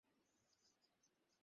ওহ, না, ঠিক নেই।